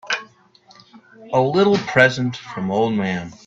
A little present from old man.